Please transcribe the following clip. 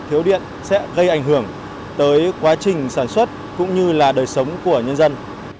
thiếu điện sẽ gây ảnh hưởng tới quá trình sản xuất cũng như là đời sống của nhân dân